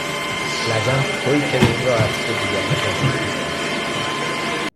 لجن تویی که به این راحتی به دیگرون تهمت می زنی